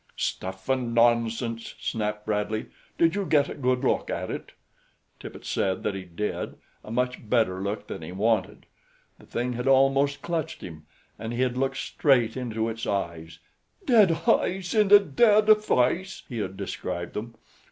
"Stuff and nonsense," snapped Bradley. "Did you get a good look at it?" Tippet said that he did a much better look than he wanted. The thing had almost clutched him, and he had looked straight into its eyes "dead heyes in a dead face," he had described them.